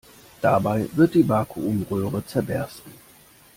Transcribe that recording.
Dabei wird die Vakuumröhre zerbersten.